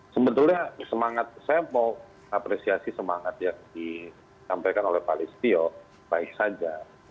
sebetulnya semangat saya mau apresiasi semangat yang disampaikan oleh pak listio baik saja